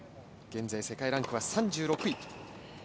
現在、世界ランクは３６位。